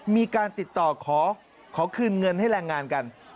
มีการติดต่อขอคืนเงินให้แรงงานกัน